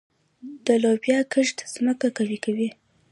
د لوبیا کښت ځمکه قوي کوي.